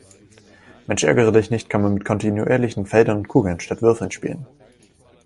Mensch-ärgere-dich-nicht kann man mit kontinuierlichen Feldern und Kugeln statt Würfeln spielen.